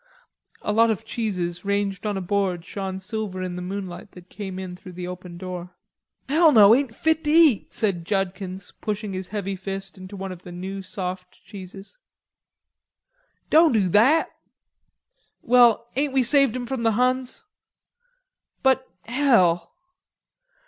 A lot of cheeses ranged on a board shone silver in the moonlight that came in through the open door. "Hell, no, ain't fit te eat," said Judkins, pushing his heavy fist into one of the new soft cheeses. "Doan do that." "Well, ain't we saved 'em from the Huns?" "But, hell."